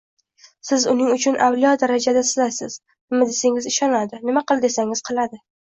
Siz – uning uchun avliyo darajasidasiz, nima desangiz ishonadi, nima qil desangiz qiladi.